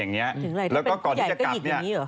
ถึงไหนที่เป็นผู้ใหญ่ก็หยิกอย่างนี้เหรอแล้วก็ก่อนที่จะกลับเนี่ย